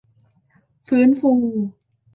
ฟื้นฟู